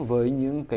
với những cái